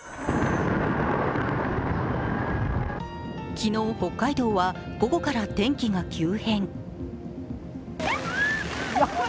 昨日、北海道は午後から天気が急変。